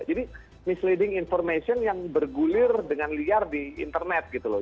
jadi misleading information yang bergulir dengan liar di internet gitu loh